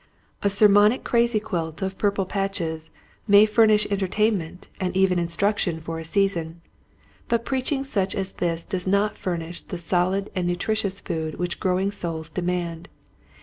A sermonic crazy quilt of purple patches may furnish entertainment and even in struction for a season, but preaching such as this does not furnish the solid and nutritious food which growing souls de mand.